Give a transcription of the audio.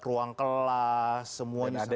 ruang kelas semuanya